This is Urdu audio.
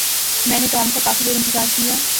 میں نے ٹام کا کافی دیر انتظار کیا۔